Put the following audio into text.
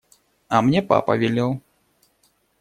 А мне папа велел…